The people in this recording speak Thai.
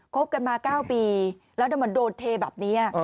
บกันมา๙ปีแล้วมันโดนเทแบบนี้